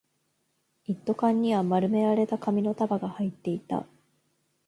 一斗缶には丸められた紙の束が入っていた